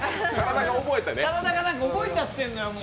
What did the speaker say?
体が覚えちゃってんのよ。